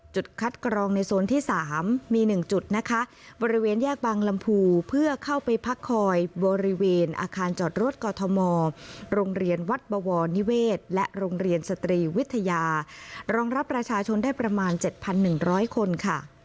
จุดคัดกรองในโซนที่๓มี๑จุดนะคะบริเวณแยกบางลำพูเพื่อเข้าไปพักคอยบริเวณอาคารจอดรถกอทมโรงเรียนวัดบวรนิเวศและโรงเรียนสตรีวิทยารองรับประชาชนได้ประมาณ๗๑๐๐คนค่ะ